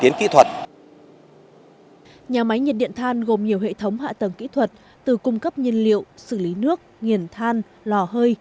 nhà máy nhiệt điện than gồm nhiều hệ thống hạ tầng kỹ thuật từ cung cấp nhiên liệu xử lý nước nghiền than lò hơi